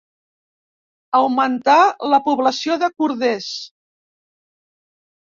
Augmentar la població de corders.